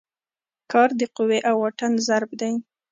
کار د قوې او واټن ضرب دی.